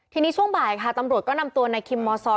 ทีนี้ช่วงบ่ายค่ะตำรวจก็นำตัวนายคิมมซอ